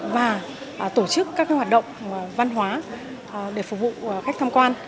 và tổ chức các hoạt động văn hóa để phục vụ khách tham quan